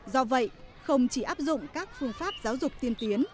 do vậy không chỉ áp dụng các phương pháp giáo dục tiên tiến